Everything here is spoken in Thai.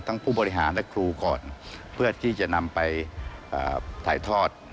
ผู้บริหารและครูก่อนเพื่อที่จะนำไปถ่ายทอด